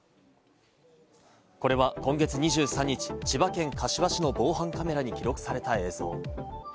これは今月２３日、千葉県柏市の防犯カメラに記録された映像。